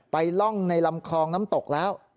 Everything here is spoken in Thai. ล่องในลำคลองน้ำตกแล้ว